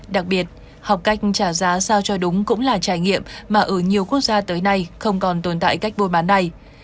đặc biệt học cách trả giá sao cho đúng cũng là trải nghiệm mà ở nhiều quốc gia tới nay không còn tồn tại cách bôi bán này